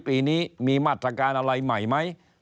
ปีนี้มีมาตรการอะไรใหม่ไหม